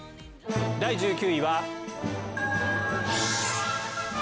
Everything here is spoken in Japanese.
第１９位は。